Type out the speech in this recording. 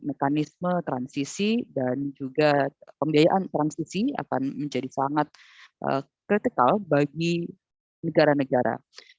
mekanisme transisi dan juga pembiayaan transisi akan menjadi sangat kritikal bagi negara negara